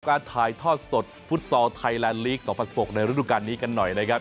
การถ่ายทอดสดฟุตซอลไทยแลนด์ลีก๒๐๑๖ในฤดูการนี้กันหน่อยนะครับ